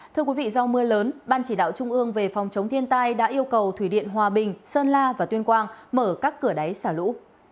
thưa quý vị do mưa lớn ban chỉ đạo trung ương về phòng chống thiên tai đã yêu cầu thủy điện hòa bình sơn la và tuyên quang mở các cửa đáy xả lũ